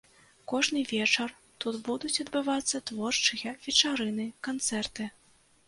Кожны вечар тут будуць адбывацца творчыя вечарыны, канцэрты.